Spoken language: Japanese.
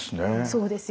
そうですよね。